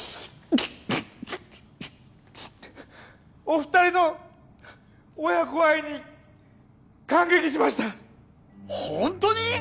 お二人の親子愛に感激しましたホントに！？